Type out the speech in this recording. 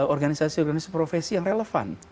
organisasi organisasi profesi yang relevan